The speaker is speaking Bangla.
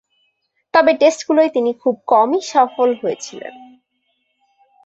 তবে, টেস্টগুলোয় তিনি খুব কমই সফল হয়েছিলেন।